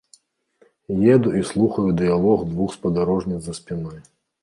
Еду і слухаю дыялог двух спадарожніц за спінай.